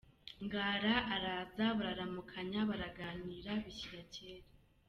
Ngara araza bararamukanya; baraganira bishyira kera.